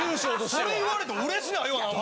それ言われても嬉しないわ何も！